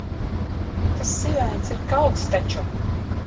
Tas sivēns ir kauts taču.